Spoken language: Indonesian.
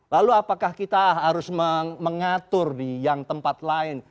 lalu apakah kita harus mengatur di yang tempat lain